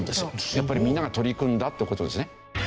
やっぱりみんなが取り組んだって事ですね。